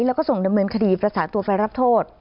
แล้วก็ส่งดำเนินคดีประสานตัวไปรับโทษ